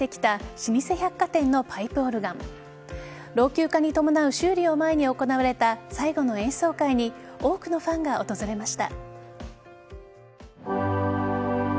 老朽化に伴う修理を前に行われた最後の演奏会に多くのファンが訪れました。